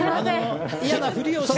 嫌なふりをして。